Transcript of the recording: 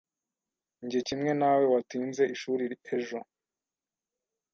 Njye kimwe nawe watinze ishuri ejo.